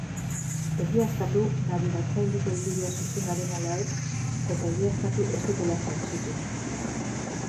Egiaztatu nabigatzaileko helbidea zuzena den ala ez eta egiaztatu ez dutela faltsutu.